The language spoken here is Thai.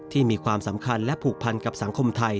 มีความสำคัญและผูกพันกับสังคมไทย